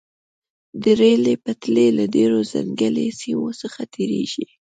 د ریل پټلۍ له ډیرو ځنګلي سیمو څخه تیریږي